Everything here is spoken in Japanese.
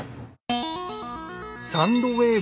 サンドウェーブ。